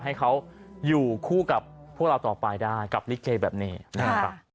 ให้เขาอยู่คู่กับพวกเราต่อไปได้กับลิเกแบบนี้นะครับ